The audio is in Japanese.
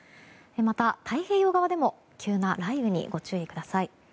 また、太平洋側でも急な雷雨にご注意ください。